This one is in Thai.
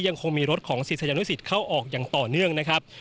ยังคงมีรถของศิษยานุสิตเข้าออกอย่างต่อเนื่องนะครับ